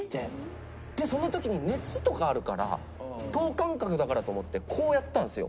その時に熱とかあるから遠感覚だからと思ってこうやったんですよ。